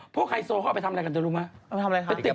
ไฮโซเขาเอาไปทำอะไรกันเธอรู้ไหม